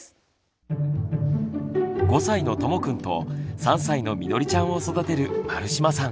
５歳のともくんと３歳のみのりちゃんを育てる丸島さん。